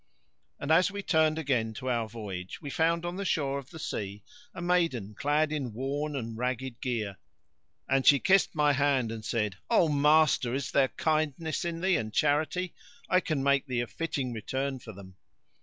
And as we turned again to our voyage we found on the shore of the sea a maiden clad in worn and ragged gear, and she kissed my hand and said, "O master, is there kindness in thee and charity? I can make thee a fitting return for them."